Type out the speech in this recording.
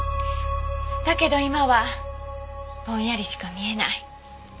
だけど今はぼんやりしか見えない。